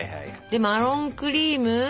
でマロンクリーム。